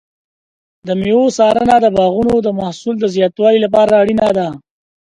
د مېوو څارنه د باغونو د محصول زیاتولو لپاره اړینه ده.